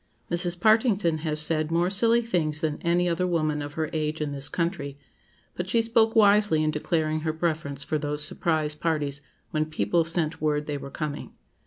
Mrs. Partington has said more silly things than any other woman of her age in this country; but she spoke wisely in declaring her preference for those surprise parties "when people sent word they were coming."